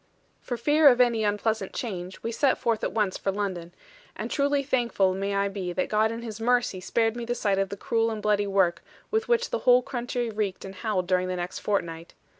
For fear of any unpleasant change, we set forth at once for London; and truly thankful may I be that God in His mercy spared me the sight of the cruel and bloody work with which the whole country reeked and howled during the next fortnight.